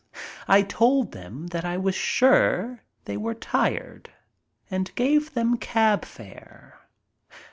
I told them that I was sure they were tired and gave them cab fare.